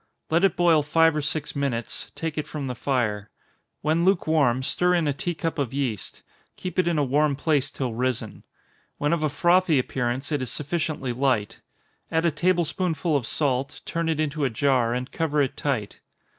Let it boil five or six minutes take it from the fire. When lukewarm, stir in a tea cup of yeast keep it in a warm place till risen. When of a frothy appearance, it is sufficiently light. Add a table spoonful of salt, turn it into a jar, and cover it tight.